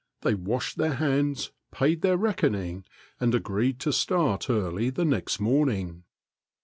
They washed their hands, paid their reckoning, and agreed to start early the next morning.